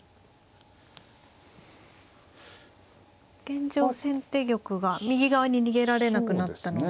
現状先手玉が右側に逃げられなくなったので。